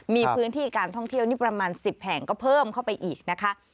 มีพื้นที่การท่องเที่ยวนี่ประมาณ๑๐แห่งก็เพิ่มเข้าไปอีกนะคะ